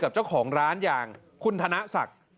กับเจ้าของร้านอย่างคุณธนศักดิ์